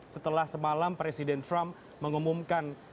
setelah semalam presiden trump mengumumkan